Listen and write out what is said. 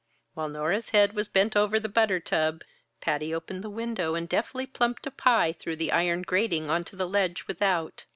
While Nora's head was bent over the butter tub, Patty opened the window and deftly plumped a pie through the iron grating onto the ledge without.